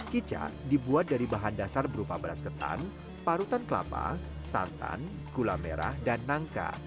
kica dibuat dari bahan dasar berupa beras ketan parutan kelapa santan gula merah dan nangka